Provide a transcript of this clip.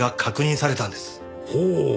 ほう。